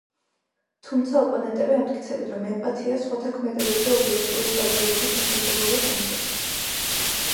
თუმცა, ოპონენტები ამტკიცებენ, რომ ემპათია სხვათა ქმედებებზე ობიექტური დაკვირვების შესაძლებლობას ამცირებს.